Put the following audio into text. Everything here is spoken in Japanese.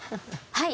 はい。